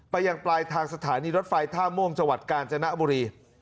ยังปลายทางสถานีรถไฟท่าม่วงจังหวัดกาญจนบุรี